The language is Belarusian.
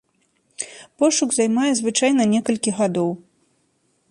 Пошук займае звычайна некалькі гадоў.